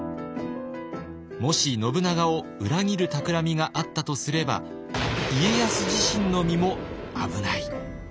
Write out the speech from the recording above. もし信長を裏切る企みがあったとすれば家康自身の身も危ない。